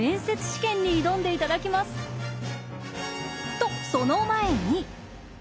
とその前に。